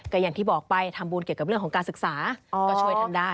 ก็อย่างที่บอกไปทำบุญเกี่ยวกับเรื่องของการศึกษาก็ช่วยทำได้